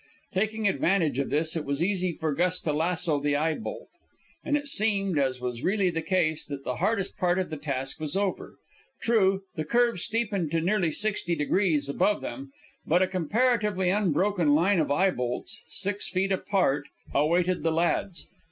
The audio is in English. Taking advantage of this, it was easy for Gus to lasso the eye bolt. And it seemed, as was really the case, that the hardest part of the task was over. True, the curve steepened to nearly sixty degrees above them, but a comparatively unbroken line of eye bolts, six feet apart, awaited the lads.